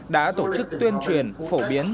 đã tổ chức tuyên truyền phổ biến